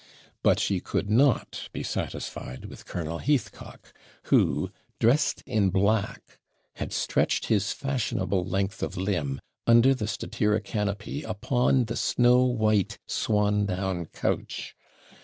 But she could not be satisfied with Colonel Heathcock, who, dressed in black, had stretched his 'fashionable length of limb' under the statira canopy upon the snow white swan down couch.